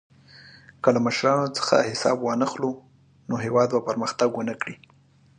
که له مشرانو څخه حساب وانخلو، نو هېواد به پرمختګ ونه کړي.